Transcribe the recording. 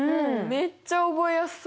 めっちゃ覚えやすそう。